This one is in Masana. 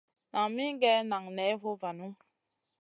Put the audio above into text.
Nan min gue nan ney vovanu.